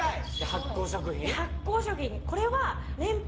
発酵食品